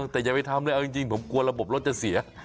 แต่อย่าไปทำเลยเอาจริงผมกลัวระบบรถจะเสีย